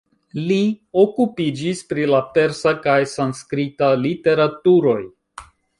Li okupiĝis pri la persa kaj sanskrita literaturoj.